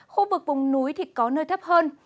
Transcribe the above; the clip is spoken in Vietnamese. khu vực vùng núi có nơi thấp hơn